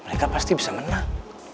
mereka pasti bisa menang